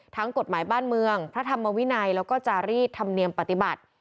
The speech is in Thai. กฎหมายบ้านเมืองพระธรรมวินัยแล้วก็จารีสธรรมเนียมปฏิบัติ